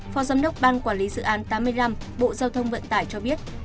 phó giám đốc ban quản lý dự án tám mươi năm bộ giao thông vận tải cho biết